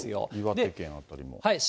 岩手県辺りも。